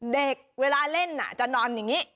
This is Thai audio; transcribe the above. เด็กเวลาเล่นน่ะจะนอนอย่างนี้